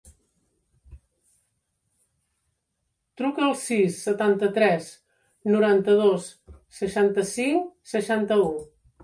Truca al sis, setanta-tres, noranta-dos, seixanta-cinc, seixanta-u.